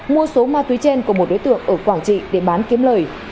mua số ma túy trên của một đối tượng ở quảng trị để bán kiếm lời